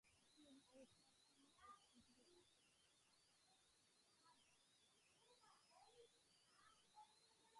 He is an agricultural engineer.